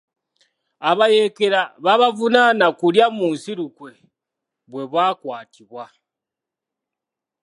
Abayeekera babavunaana kulya mu nsi lukwe bwe bakwatibwa.